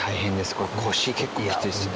これ腰結構きついですね。